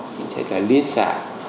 chính xác là liên xã